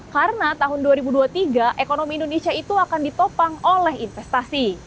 karena tahun dua ribu dua puluh tiga ekonomi indonesia itu akan ditopang oleh investasi